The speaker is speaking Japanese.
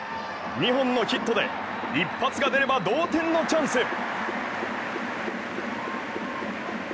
２本のヒットで一発が出れば同点のチャンス。